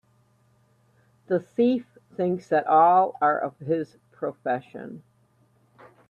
The thief thinks that all are of his profession